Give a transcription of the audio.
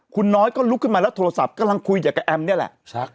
คุณน้อยก็ลุกขึ้นมาแล้วโทรศัพท์กำลังคุยกับแอมนี่แหละ